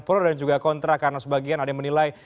pro dan juga kontra karena sebagian ada yang menilai